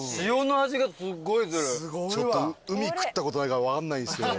ちょっと海食ったことないから分かんないんですけど。